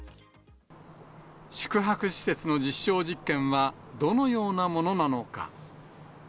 宿泊施設の実証実験はどのようなものなのか。